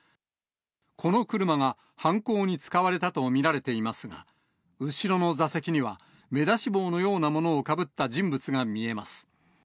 この車が犯行に使われたと見られていますが、後ろの座席には、目出し帽のようなものをかぶった人物が見えます。